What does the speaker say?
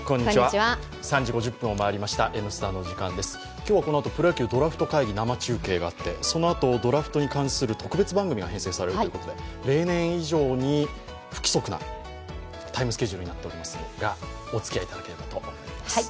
今日はこのあとプロ野球ドラフト会議、生放送があってそのあとドラフトに関する特別番組が編成されるということで、例年以上に不規則なタイムスケジュールになっておりますが、おつきあいいただければと思います。